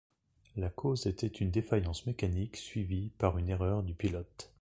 La cause était une défaillance mécanique suivie par une erreur du pilote.